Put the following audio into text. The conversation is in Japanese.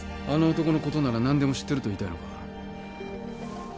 あの男のことなら何でも知ってると言いたいのか？